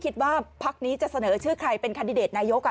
คิดว่าพักนี้จะเสนอชื่อใครเป็นคันดิเดตนายก